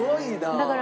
だから。